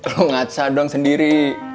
lo ngaca doang sendiri